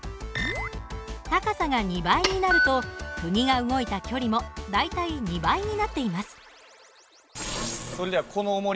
高さが２倍になるとくぎが動いた距離も大体２倍になっています。